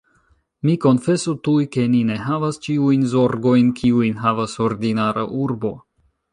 Mi konfesu tuj, ke ni ne havas ĉiujn zorgojn, kiujn havas ordinara urbo.